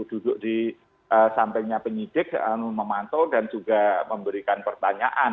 duduk di sampingnya penyidik memantau dan juga memberikan pertanyaan